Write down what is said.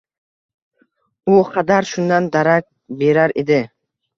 U xadar shundan darak berar edi